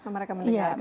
mereka mendengarkan gitu